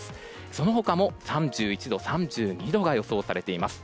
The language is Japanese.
その他も３１度、３２度が予想されています。